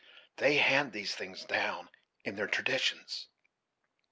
They hand these things down in their traditions.